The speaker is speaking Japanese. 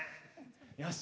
よし。